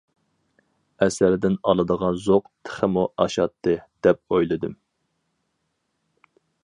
ئەسەردىن ئالىدىغان زوق تېخىمۇ ئاشاتتى دەپ ئويلىدىم.